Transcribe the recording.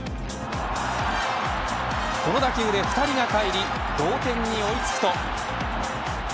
この打球で２人がかえり同点に追い付くと。